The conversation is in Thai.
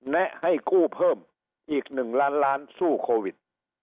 แนะให้กู้เพิ่มอีก๑ล้านล้านสู้โควิด